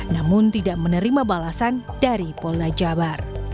namun tidak menerima balasan dari pol dajabar